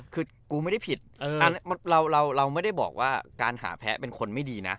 คือกูไม่ได้ผิดเราไม่ได้บอกว่าการหาแพ้เป็นคนไม่ดีนะ